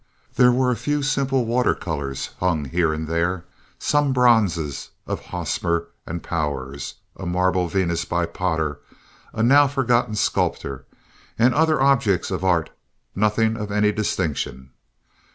There were a few simple water colors hung here and there, some bronzes of Hosmer and Powers, a marble venus by Potter, a now forgotten sculptor, and other objects of art—nothing of any distinction.